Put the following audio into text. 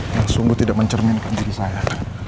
yang sungguh tidak mencerminkan diri saya